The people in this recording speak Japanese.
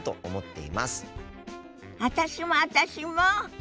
私も私も！